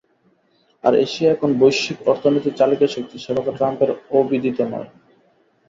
আর Asia এখন বৈশ্বিক অর্থনীতির চালিকাশক্তি সে কথা ট্রাম্পের অবিদিত নয়।